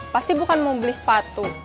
pasti bukan mau beli sepatu